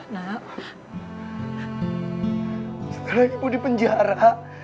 setelah ibu di penjara